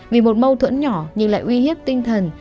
vì một mâu thuẫn nhỏ nhưng lại uy hiếp tinh thần